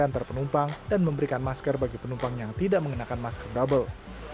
antar penumpang dan memberikan masker bagi penumpang yang tidak mengenakan masker double